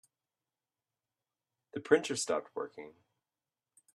The printer stopped working.